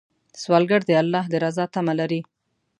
سوالګر د الله د رضا تمه لري